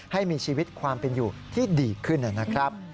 ให้มีชีวิตความเป็นอยู่ที่ดีขึ้นนะครับ